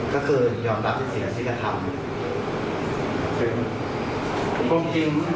คืออย่างว่าทุกสิทธิ์ทุกอย่าง